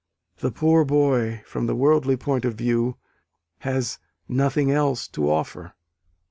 The poor boy, from a worldly point of view, has "nothing else" to offer.